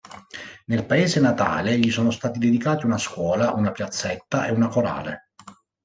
Nel paese natale gli sono stati dedicati una scuola, una piazzetta e una "Corale".